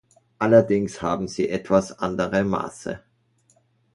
Allerdings haben sie etwas andere Maße.